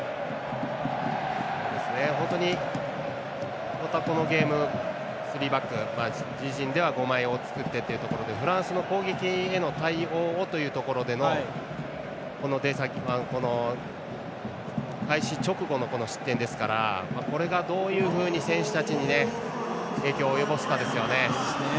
本当に、このゲーム３バック、自陣では５枚を作ってというところでフランスの攻撃への対応というところでのこの出先、開始直後の失点ですからこれがどういうふうに選手たちに影響を及ぼすかですよね。